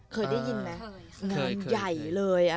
เคยได้ยินไหม